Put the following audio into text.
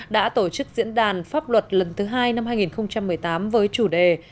đã tổ chức diễn đàn pháp luật lần thứ hai năm hai nghìn một mươi tám với chủ đề